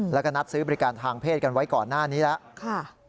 แล้วก็นัดซื้อบริการทางเพศกันไว้ก่อนหน้านี้แล้ว